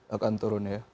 akan turun ya